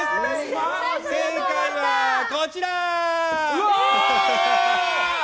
正解はこちら！